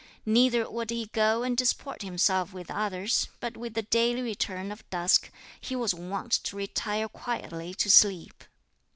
Neither would he go and disport himself with others; but with the daily return of dusk, he was wont to retire quietly to sleep.